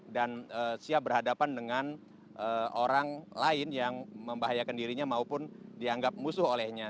dan siap berhadapan dengan orang lain yang membahayakan dirinya maupun dianggap musuh olehnya